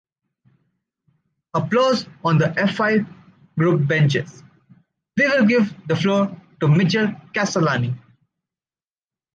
(Applause on the FI group benches.) We will give the floor to Mr Michel Castellani.